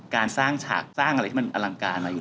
การสร้างฉากสร้างอะไรที่มันอลังการมาอยู่